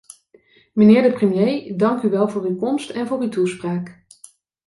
Mijnheer de premier, dank u wel voor uw komst en voor uw toespraak.